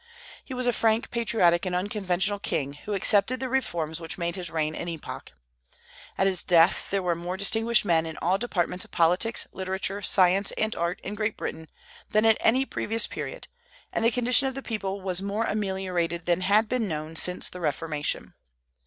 He was a frank, patriotic, and unconventional king, who accepted the reforms which made his reign an epoch. At his death there were more distinguished men in all departments of politics, literature, science, and art in Great Britain than at any previous period, and the condition of the people was more ameliorated than had been known since the Reformation.